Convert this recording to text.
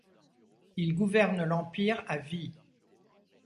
Il gouverne l'Empire à vie.